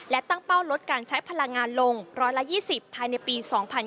และตั้งเป้าลดการใช้พลังงานลง๑๒๐ภายในปี๒๕๕๙